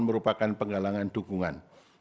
merupakan penggalangan dukungan